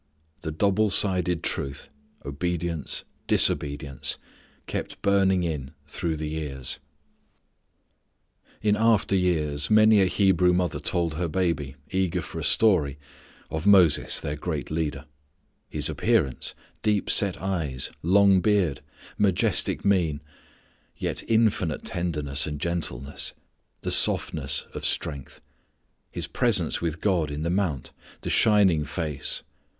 The double sided truth obedience disobedience kept burning in through the years. In after years many a Hebrew mother told her baby, eager for a story, of Moses their great leader; his appearance, deep set eyes, long beard, majestic mien, yet infinite tenderness and gentleness, the softness of strength; his presence with God in the mount, the shining face.